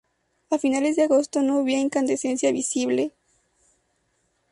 A finales de agosto no había incandescencia visible.